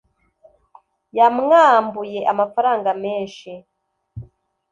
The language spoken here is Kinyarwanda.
yamwambuye amafaranga menshi